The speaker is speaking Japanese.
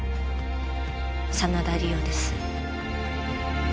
真田梨央です